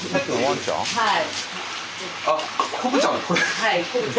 はい。